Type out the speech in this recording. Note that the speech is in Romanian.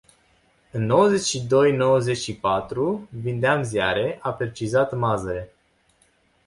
În nouăzeci și doi nouăzeci și patru vindeam ziare, a precizat Mazăre.